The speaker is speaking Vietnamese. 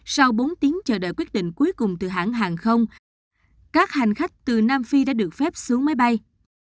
sau bốn tiếng chờ đợi quyết định cuối cùng từ hãng hàng không các hành khách từ nam phi đã được phép xuống máy bay